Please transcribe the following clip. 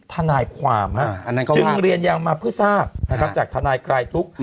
ถนัยความจึงเรียนยังมาเพื่อทราบจากถนัยกลายตุ๊ก